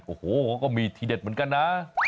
โอ้โหเขาก็มีทีเด็ดเหมือนกันนะ